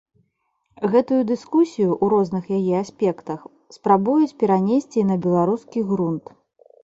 Гэтую дыскусію, у розных яе аспектах, спрабуюць перанесці і на беларускі грунт.